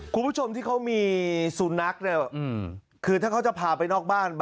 คุณผู้ชมที่เขามีสุนัขเนี่ยคือถ้าเขาจะพาไปนอกบ้าน